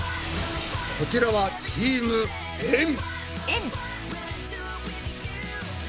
こちらはチームエん。